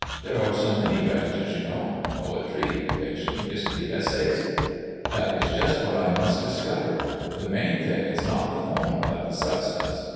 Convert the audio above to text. There are so many branches, you know: poetry, fiction, history, essays" "That is just what I must discover. The main thing is not the form, but the substance.